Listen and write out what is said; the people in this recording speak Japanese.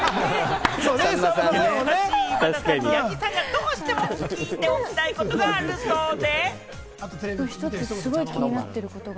そんな優しい今田さんが八木さんにどうしても聞いておきたいことがあるそうで。